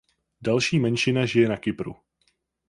Další menšina žije na Kypru.